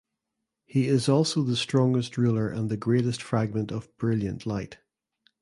He is also the strongest Ruler and the Greatest Fragment of Brilliant Light.